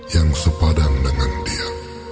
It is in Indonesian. yang sepadang dengan dia